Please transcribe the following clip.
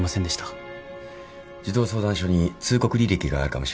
児童相談所に通告履歴があるかもしれません。